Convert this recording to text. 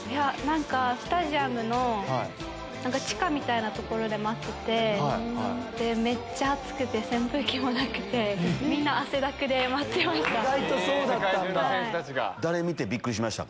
スタジアムの地下みたいな所で待っててめっちゃ暑くて扇風機もなくてみんな汗だくで待ってました。